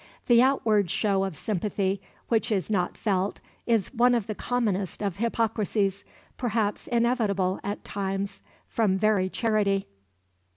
The outward show of sympathy which is not felt is one of the commonest of hypocrisies, perhaps inevitable at times from very charity.